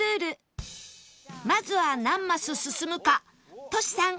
まずは何マス進むかトシさん